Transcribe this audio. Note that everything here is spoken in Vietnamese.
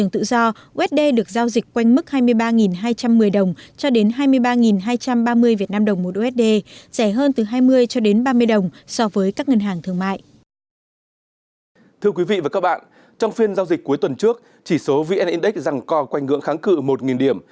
thưa quý vị và các bạn trong phiên giao dịch cuối tuần trước chỉ số vn index rằng co quanh ngưỡng kháng cự một điểm